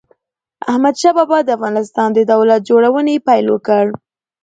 احمد شاه بابا د افغانستان د دولت جوړونې پيل وکړ.